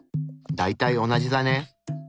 大体同じだね。